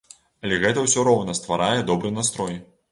Але гэта ўсё роўна стварае добры настрой.